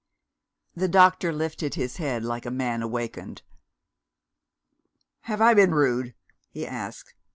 The doctor lifted his head, like a man awakened. "Have I been rude?" he asked.